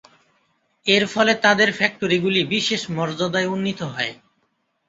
এর ফলে তাদের ফ্যাক্টরিগুলি বিশেষ মর্যাদায় উন্নীত হয়।